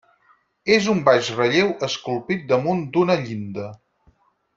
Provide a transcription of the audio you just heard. És un baix relleu esculpit damunt d'una llinda.